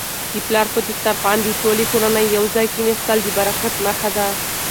د پلار په دسترخوان د ټولې کورنی یو ځای کيناستل د برکت نښه ده.